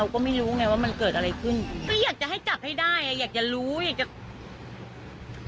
ก็อยากจะให้จับให้ได้อยากจะรู้อยากก็